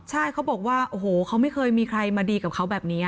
ใช่เขาบอกว่าโอ้โหเขาไม่เคยมีใครมาดีกับเขาแบบนี้